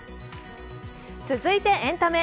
続いてエンタメ。